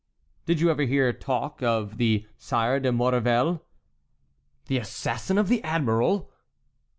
"Did you ever hear talk of the Sire de Maurevel?" "The assassin of the admiral?"